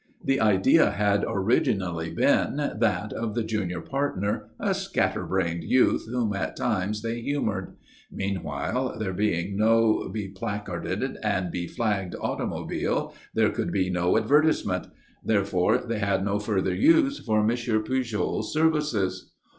The idea had originally been that of the junior partner, a scatter brained youth whom at times they humoured. Meanwhile, there being no beplacarded and beflagged automobile, there could be no advertisement; therefore they had no further use for M. Pujol's services.